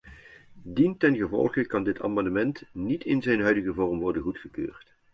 Dientengevolge kan dit amendement niet in zijn huidige vorm worden goedgekeurd.